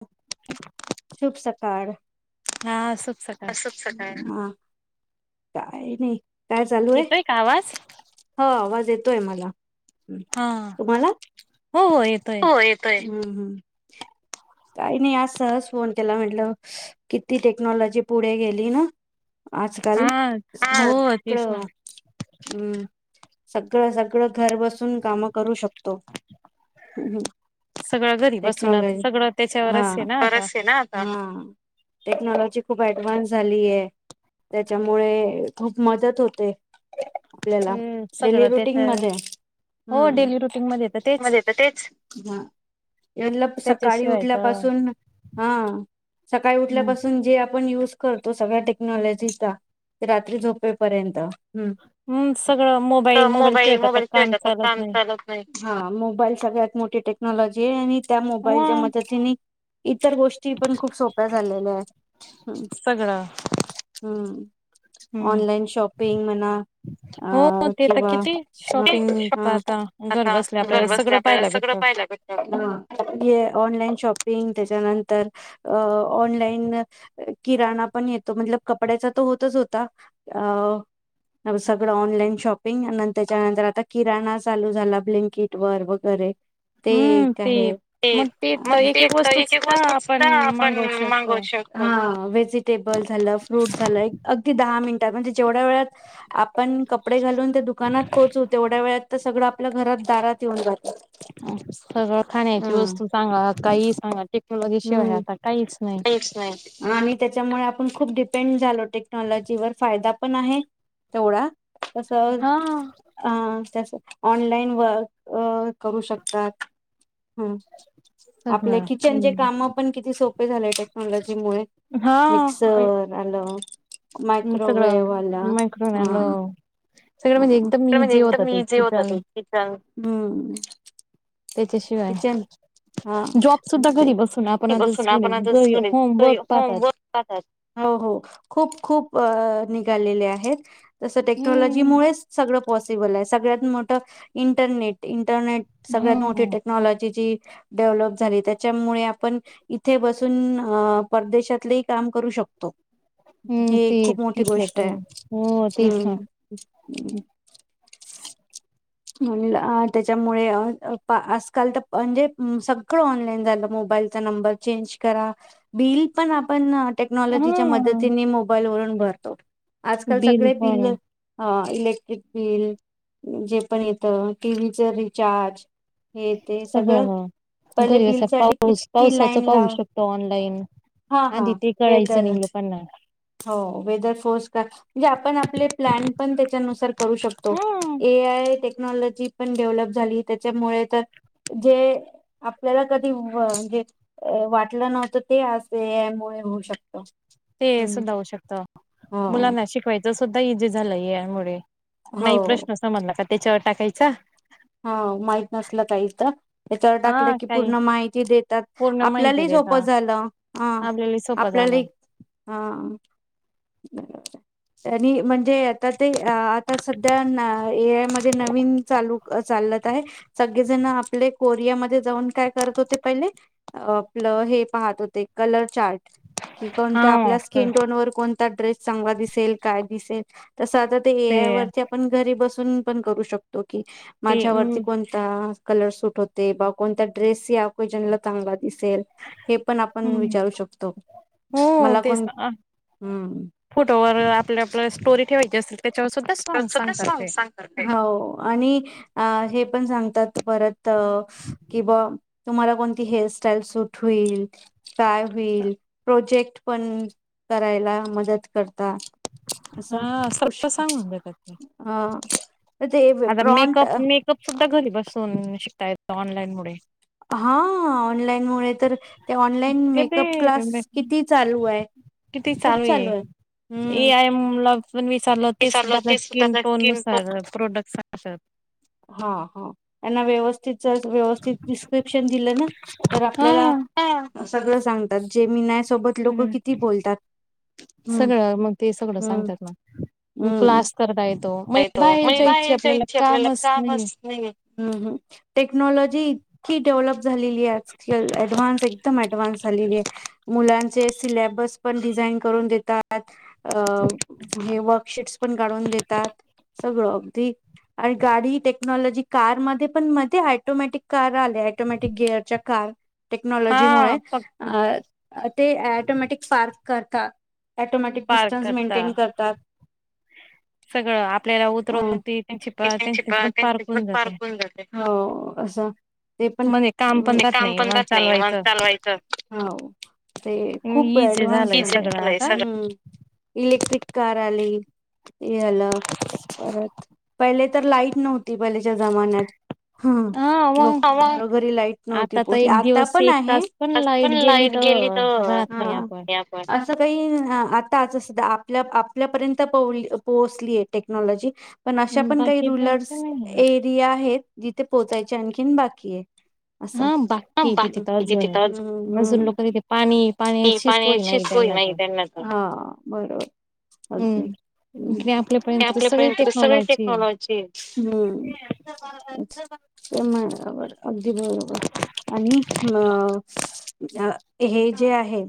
[unintelligible] [unintelligible] शुभ सकाळ हा सकाळ तसच स काय ह काय नाही काय चालू आहे येतोय का आवाज हा आवाज येतो ोय मला हा तुम्हाला? हो हो येतोय हो येतोय हम्म हम् काही नाही आज सहज फोन केला म्हंटलं किती टेक्नॉलॉजी पुढे गेली ना हा आजकाल हो तेच ना सगळं हम् सगळं सगळं घर बसून कामं करू शकतो कत्तो हम् हम् सगळं घरी बसूनच सगळं त्याच्यावर हा. असे ना आता खरंच आहे ना आता. टेक्नॉलॉजी खूप ऍडव्हन्स झाली आहे त्याच्यामुळे खूप मदत होते आपल्याला हम्म डेली सगळं ते रुटीन तर मध्ये हो डेली रुटीन मध्ये य तर तेच सळील्या त्याच्याशिवाय तर हम्म सल्या करतो सगळ्या टेक्नॉलॉजीचा रात्री झोपेपर्यंत मोबाईल मोबाईल शे काम चालत नाही मोल सगत मोठी टेक्नॉलॉजी आहे आणि त्या मोबाईलच्या मग मदतीने इ इतर गोष्टी पण खूप सोप्या झालेल्या आहेत सगळं हम्म ऑनलाईन शॉपिंग म्हणा हो ते तर किवा किती शॉपिंग तर आता घर आ बसल्या आपल्याला पाहायला भेटत सगळं पा लाग ऑनलाईन शॉपिंग त्या ऑ क पण कड होत होता कि ब [unintelligible] ते हम्म एक ते आहे ते मग तर मग एक ते एक वस्तू एकेक वस्तू सुद्धा आपण मागवू मागवू शकतो हा व्जिटेबल झालं फ्रूट झालं अगदी दहा मीन म्हणजे जेवढ्या वेळात आप पण कपडे घालून ते दुकानात पोहोचू तेवढ्या वेळात तर सगळं आप पल्या घरात दारात येऊन जात सगळं खाण्याची हा वस्तू सांगा काहीही सांगा टेक्नॉलॉजी हम्म. शिवाय आता काहीच नाही. काहीच नाही. आणि त्याच्यामुळे आपण खूप डिपेंड झालो टेक्नॉलॉजी वर फायदा पण आहे तेवढा तस हा. अ त्याच ऑनलाईन वर्क अ करू शकतात. हुं आपल्या सगळं किचनचे हम्म कामं पण किती सोप पे झालंयेत टेक्नॉलॉजी मुळे हा मिक्सर आलं. सगळं मायक्रोवेव मायक्रोवेव्ह आलं. हम्म सगळं म्हणजे एकदम इझी होत ते किचन हम्म त्याच्याशिवाय किचन हा- जॉब सुद्धा म्हणजे बसून आपण घरी आता बसून आपण आता- घरी कीनाही होमवर्क पाहतात. होमवर्क करतात हो- हो खूप- खूप अ निघालेले आहेत जस टेक्नॉलॉजी लॉजी हम्म. मुळे सगळं पॉसिबल आहे सगळ्यात मोठं इंटरनेट इंट इंटरनेट सगळ्यात मोठी हा टेक्नॉलॉजीची डेव्हलप झाली त्याच्यामुळे आपण इथे बसून अ परदेशातलेही काम करू शक हम्म ते तिथले गोष्ट पण, आहे हो तेच ना. हम्म. [unintelligible] त्याच्यामुळे आजकाल- तर म्हणजे सगळं ऑनलाईन -झालं मोबाईलचा नंबर चेंज करा, बिल पण आपण टेक्नॉलॉजीच्या हा मदतीने मोबाईल वरून भरतो आजकाल बिल सगळे पण बिले- आ इलेक्ट्रिक बिल, जे पण येत टीव्ही च रिचार्ज हे ते सगळ सगळं ह पहिले घरी बिल असा साठी पाऊस किती पावसाच लाईन पाहू लाव शकतो ऑनलाईन. हा हा आधी ते कळयच वेदर नि लोकांना हो वेदर फो- का म्हणजे आपण आपले प्लॅन पण त्याच्यानुसार करू शकतो हम्म. ए आय टेक्नॉलॉजी पण डेव्हलप झाली त्याच्यामुळे तर- जे आपल्याला कधी जे म्हणजे वाटलं नव्हतं ते एक आय यामुळे होऊ शकत ते हम्म सुद्धा होऊ शकतं हो मुलांना शिकवायचं सुद्धा इझी झालंय ए आय यामुळे नाही हो प्रश्न समजला का त्याच्या- अर्थ टाकायच हा माहीत नसल काही तर [unintelligible] याच्यावर टाकलं हा की काही पूर्ण माहिती देतात पूर्ण माहिती आपल्यालाही सोपं देता. झालं -ह आपल्याला सोपं आपल्याला झालं ही हा आणि म्हणजे आता ते आता सध्या ए आय मध्ये नवीन चालू चालत आहे सगळे जण आपले कोरियामध्ये जाऊन काय करत होते पहिले आपलं- हे पाहत होते कलर चार्ट कि कोणत हा आपल्या स्किन टोन वर कोण ड्रेस चांगला दिसेल काय दिसेल तसं आता ते ए आय वरती आपण घरी बस [unintelligible] पण करू शकतो कि ते हम्म माझ्यावरती कोणता कलर सूट होते बा कोणत्या ड्रेस या ओकेजनला चांगला दिसेल हे पण आपण हम्म. विचारू शकतो हो मला तेच कोण ना. हम्म फोटोवर आपल्या आपल्या स्टोरी ठेवायची असेल त्याच्यावर सुद्धा सॉग सांगतात ते. हो आणि आ हे पण सांगतात परत कि बा तुम्हाला कोणती हेअरस्टाईल सुूट होईल काय होईल प्रोजेक्ट पण करायला मदत करता हा सगल सांगून देतात. ते. हा ह ते बे आता प्राँट मेकअप मेकअप सुद्धा घरी बसून शिकता येतो ऑनलाईन मुळे. हा ऑनलाईनमुळे ते ऑनलाईन मेकअप क्लास किती किती चालू आहे खूप चालू आहे ए हम्म. आय ला पण विचारलं ते सुद्धा आप स्किन टोन नुसार प्रोड साक्षात हा हा यांना व्यवस्थित त्यांचं व्यवस्थित डिस्क्रिपशन दिलं ना तर आपल्याला हा असं सगळ सांगतात जेमिनाय सोबत लोक हम, किती बोलतात हम्म सगळं मग ते सगळं हम्म सांगतात ना क्लास करत आहे तो. काय तो म्हणजे बाहेर जायची आपल्याला कामच नाहीये. हम्म हम्म टेक्नॉलॉ इतकी डेवलप झालेली आहे की आजकाल ॲडव्हान्स एकदम ॲडव्हान्स झालेली आहे. मुलानं ते सिल्याबस पण डिझाईन करून देतात. अ हे वर्कशीट्स पण काढून देत सगळं अगदी आणि गाडी टेक्नॉलॉजी कारमध्ये पण मध्ये ऑटोमॅटिक कार आले ऑटोमॅटिक गिअरच्या कार. टेक्नॉलॉजी हा मुळे प अ अ ते ऑटोमॅटिक पार्क करता ॲटोमॅटिक पार डिस्टन्स करता मेंटेन करतात. सगळं आपल्याला हम्म उतरवून ती त्यांची त्यांची पण पार्क होऊन जाते. हो अस ते पण म्हणजे काम हो. पण राहत नाही मग चालवायचं खूप इझी ऍडव्हान्स झालंय सगळं आता. इलेक्ट्रिक कार आली. येला तर लाईट नव्हती पाहिले जमान्यात हम्म हा मग. लोकांच्या घरी लाईट नव्हती आता तर पोचली एक आता दिवस पण एक आहे तास पण लाईट गेली तर राहत नाही आपण. असं काही हं आता असं आपल्या आपल्यापर्यंत पोहोचलीय. टेक्नॉलॉजी पण अशा पण काही, बाकी प्रश्न रुलर्स नाही एरिया आहेत. जिथे पोहोचायचे आणखीन बाकी आहे. हा बाकी आहे तिथे तर अजून अजून लोक तिथे पाणी [unintelligible] पाण्याची नाही सोय तर नाहीयं त्यांना तिथं हा बरोबर हम्म. इकडे ते आपल्यापर्यंत तर आपल्यापर्यंत सगळी टेक्नॉलॉजी आहे. आहे. [unintelligible] आणि अ [unintelligible] हे जे आहे.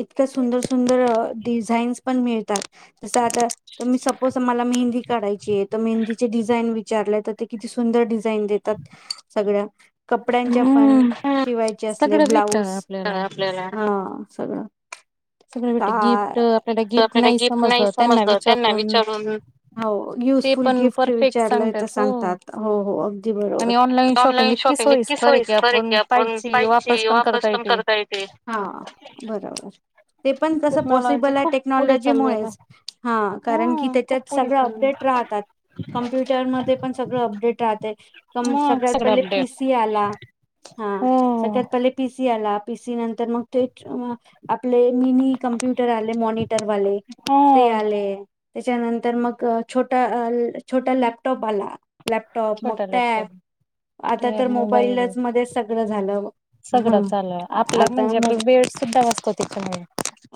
इतक्या सुंदर सुंदर डिझाईन्स पण मिळत [unintelligible] तसं आता मी तसं मला मेंहदी काढायची आहे, मेंहदीच डिझाईन विचारलंय तर ते किती सुंदर डि [unintelligible] देतात सगळ्या. कपड्यांच्या पण हम्म शिवायचे, असले सगळं भेटत ब्लाऊज आपल्याला हा सगळं. सगळं भेटत, का गिफ्ट आपल्याला गिफ्ट नाही समजलं त्यांना विचारून हो ते युजफुल पण गिफ्ट परफेक्ट विचारलंय सांगतात तर हो सांगतात हो हो अगदी बरोबर ऑनलाईन शॉपिंग इतकी सोईस्कर आहे, की आपण पाहियची वापस पण करता येेते हा बरोबर. ते पण कसं टेक्नॉलॉजी पॉसिबल आहे. खूप पुढे चालली आता टेक्नॉलॉजीमुळेच हा. कारण, की हम्म खूप त्याच्यात पुढे सगळं चालली अपडेट राहतात. काँम्प्युटर मध्ये पण सगळं अपडेट राहतयं. मग सगळ्यात सगळं पहिला अपडेट पीसी आला. हा हो सगळ्यात पहिला [unintelligible] नंतर मग [unintelligible] आपले मिनी कम्प्युटर आले. मॉनिटरवाले ते हो आले. त्याच्यानंतर मग छोटा छोटा लॅपटॉप आला. लॅपटॉप मग छोटा टॅब लॅपटॉप आता ते तर मोबाईल मोबाईलच मध्ये स [unintelligible] सगळं चालूय आपलं म्हणजे, आप बेड सुद्धा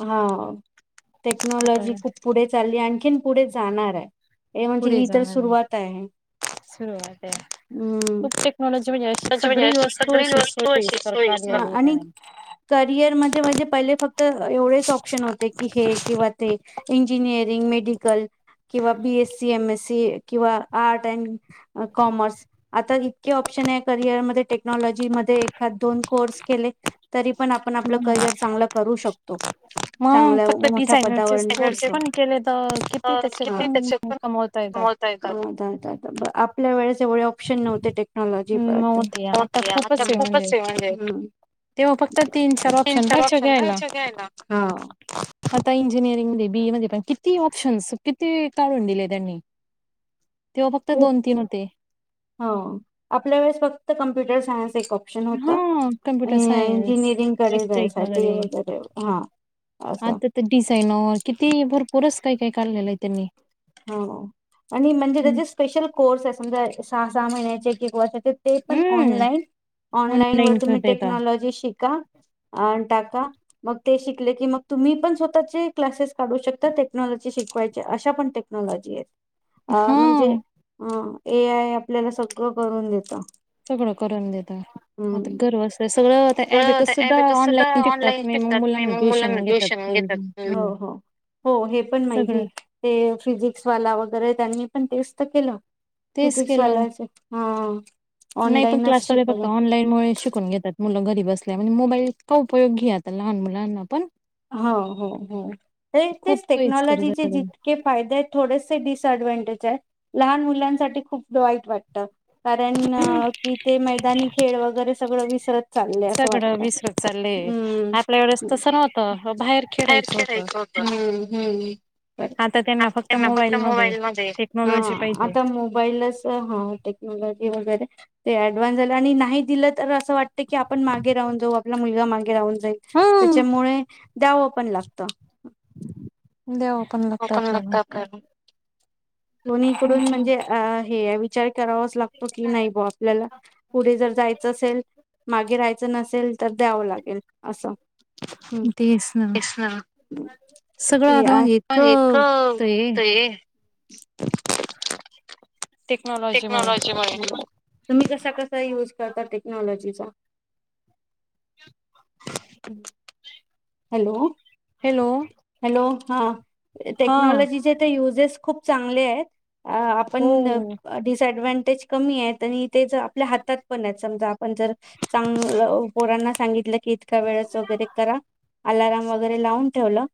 हा [unintelligible] आणखी न पुढे जाणार आहे. म्हणजे पुढे ही तर जाणारी सुरुवात आहे. सुरुवात आहे [unintelligible] खूप टेक्नॉलॉजी म्हणजे अशी सगळी वस्तू अशी सोयीस्कर काढलेली आहे आणि त्याने करियर मध्ये म्हणजे पहिले फक्त एवढेच ऑपशन होते, की हे किंवा ते इंजिनिअरिंग म किंवा B S C, M S C किंवा आर्टस्, कॉमर्स आता इतके ऑप्शन आहे. करिअरमध्ये टेक्नॉलॉजी मध्ये एखाद दोन कोर्स केले. तरी पण आपण आपलं करियर चांगलं करू शकतो. मग चांगल्या फक्त मोठ्या डिझायनरचे पदावर कोर्स नेतो. पण केले तर किती त्याचे किती त्या पण कमवता [unintelligible] येतात [unintelligible] वढे ऑप्शन नव्ह टेक्नॉलॉजील नव्हते आता खूपच आहे म्हणजे तेव्हा फक्त तीन चार खप राहायचे ऑप्शन घ्यायला आता इंजिनिअरिंग मध्ये बीए मध्ये पण किती ऑप्शन्स किती काढून दिले त्यांनी तेव्हा फक्त खूप दोन तीन होते हो आपल्या वेळेस फक्त कमप सां हा कम्प्युटर सायन्स इंजिनिअरिंगकडे इलेक्ट्रिक जायसाठी वगैरे हा असं आता तर डिझाईनर किती भरपूर पुरस काय काय काढलेलं आहे त्यांनी हो आणि म्हणजे हं, त्याचे स्पेशल कोर्स आहे समजा सहा सहा महिन्या ज क कवा ते पण हं ऑनलाईन ऑनलाईन वर कर तुम्ही देता. टेक्नॉलॉजी शिका टा मग ते शिकले की मग तुम्ही पण स्वतःचे क्सेस काढू शकता टेक्नॉलॉजी शिकवाय अशा पण लाजीच अ म्हणजे हां, ह ए आय आपल्याला सगळं करून देतं सगळं करून देतात आता हम्म गर्व अस सगळं ऍपच सुद्धा ऑनलाईन शिकतात मी मग मुलांना ट्युशन घेतात मु सगळ ्सवाला वगैरे त्यांनी पण तेच तर केलं तेच फिजिक्स केलं. वालाचे हा नाही पण ऑनलाईनच क्लास शिकवलं फता ऑनलाईन मु शिकून घेतात मुलं घरी बसल्या मोबाईल का उयोगी आता लहान लहानना पण ह हो हो खूप तेच सोयीस्कर टेक्नॉलॉजीचे झालेला आहे. जितके फायदे आहेत थोडे डसडव्हटेज आहे लहान मुलांसाठी खूप वाईट वाटत कारण कि ते मैदानी खेळ वगैरे सगळं वि [unintelligible] सगळं विसरत चाललेय आपल्या एढच हम्म तसं नव्हतं बाहेर खेळायचं होतं आता त्यांना फक्त मध्ये मोबाईल म टेक्नॉलॉजी पाहिजे आता मोबाईलच टेक्नॉलॉजी वगैरे ते ऍडव्हान्स झालं आणि नाही दिलं तर असं वाटतं की आपण मागे राहून जाऊ आपला मुलगा मागे राहून जा हम त्याच्यामुळे द्यावं पण लागतं द्याव पण लागतं आपल्याला दोन्हीकडून म्हणजे अ हे विचार करा लागतो की नाही आपल्याला पुढे जर जायचं असेल माग नसेल तर द्यावं लागेल. असं तेस येस ना आता म्हणजे आज एक इतकं ते ये टेक्नॉलॉजी म तुम्ही कसा कसा युज करता टेक्नॉलॉजीचा हॅलो हॅलो हॅलो हा हा टेक्नॉलॉजीचे तर युजेस खूप चांगले आहेत अ आपण हो डिसडव तेच कमी आहेत आणि ते ज आपल्या हातात पण आहेत सम आपण जर चांग पोरांना सांगितल की की इतका वेळस वगैरे करा अलार्म वगैरे लावून ठेव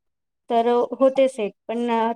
तर होतेच एक पण